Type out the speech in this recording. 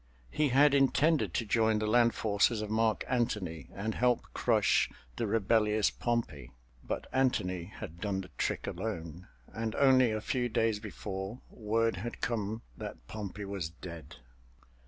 He had intended to join the land forces of Mark Antony and help crush the rebellious Pompey, but Antony had done the trick alone; and only a few days before, word had come that Pompey was dead.